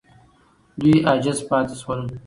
دوی عاجز پاتې سول.